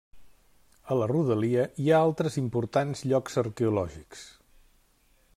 A la rodalia hi ha altres importants llocs arqueològics.